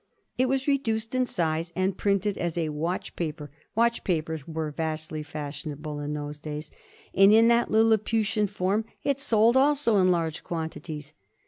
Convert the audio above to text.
It was reduced in size and printed as a watch paper — watch papers were vastly fashionable in those days — and in that Liliputian form it sold also in large quantities.